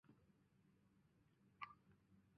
达讷马里。